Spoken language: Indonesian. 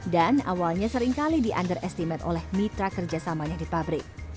dan awalnya seringkali di underestimate oleh mitra kerjasamanya di pabrik